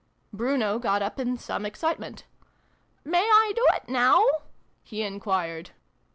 Bruno got up in some excitement. " May I do it now ?" he enquired.